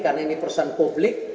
karena ini perusahaan publik